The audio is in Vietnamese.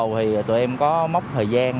thì tụi em có móc thời gian